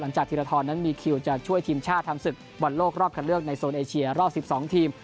ธีรทรนั้นมีคิวจะช่วยทีมชาติทำศึกบอลโลกรอบคันเลือกในโซนเอเชียรอบ๑๒ทีม